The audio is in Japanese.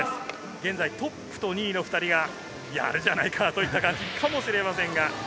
現在トップと２位の２人が、やるじゃないかといった感じかもしれません。